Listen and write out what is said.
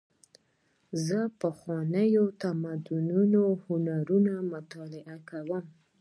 زه د پخوانیو تمدنونو هنرونه مطالعه کوم.